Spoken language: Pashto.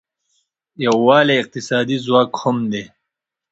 یووالی اقتصادي ځواک هم دی.